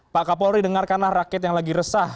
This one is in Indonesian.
pak kapolri dengarkanlah rakyat yang lagi resah